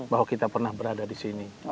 bahwa kita pernah berada di sini